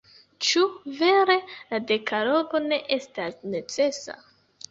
Ĉu vere la dekalogo ne estas necesa?